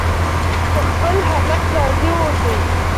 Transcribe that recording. په خپل حالت راضي اوسئ.